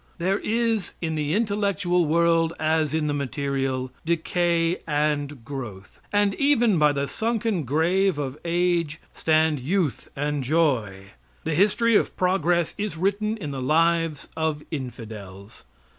There is in the intellectual world, as in the material, decay and growth; and even by the sunken grave of age stand youth and joy. The history of progress is written in the lives of infidels.